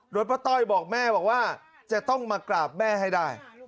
โดยป้าต้อยบอกแม่บอกว่าจะต้องมากราบแม่ให้ได้